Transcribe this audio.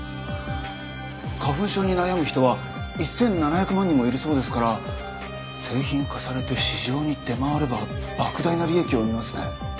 花粉症に悩む人は１，７００万人もいるそうですから製品化されて市場に出回れば莫大な利益を生みますね。